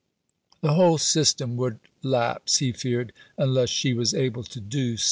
The whole system would lapse, he feared, unless she was able to do something.